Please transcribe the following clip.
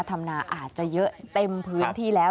ธรรมนาอาจจะเยอะเต็มพื้นที่แล้ว